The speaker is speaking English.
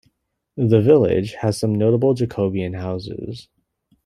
The village has some notable Jacobean houses.